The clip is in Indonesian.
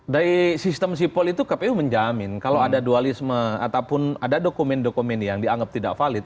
dari sistem sipol itu kpu menjamin kalau ada dualisme ataupun ada dokumen dokumen yang dianggap tidak valid